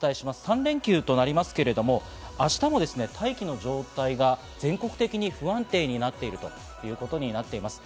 ３連休となりますけれども、明日も大気の状態が全国的に不安定になっているということになっています。